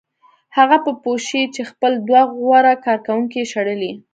هغه به پوه شي چې خپل دوه غوره کارکوونکي یې شړلي